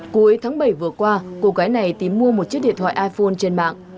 cuối tháng bảy vừa qua cô gái này tìm mua một chiếc điện thoại iphone trên mạng